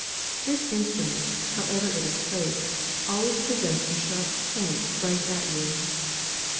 This instrument, however it is placed, always presents a sharp point right at you.